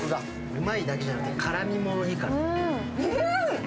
うまいだけじゃなくて辛みもいいから。